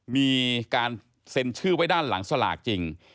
มีการเซ็นชื่อไว้ด้านหลังสลากจริง